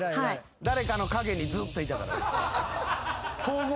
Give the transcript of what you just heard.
誰かの陰にずっといたから。